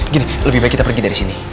gini lebih baik kita pergi dari sini